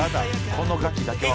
このガキだけは。